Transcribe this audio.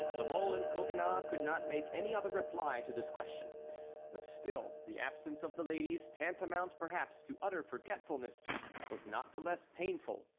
La Mole and Coconnas could not make any other reply to this question. But still the absence of the ladies, tantamount perhaps to utter forgetfulness, was not the less painful.